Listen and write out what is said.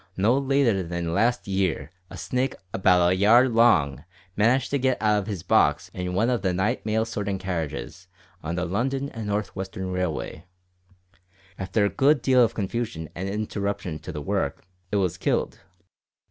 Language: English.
No later than last year a snake about a yard long managed to get out of his box in one of the night mail sorting carriages on the London and North Western Railway. After a good deal of confusion and interruption to the work, it was killed.